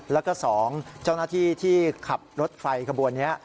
แล้วก็๒เจ้าหน้าที่ที่ขับรถไฟขบวนนี้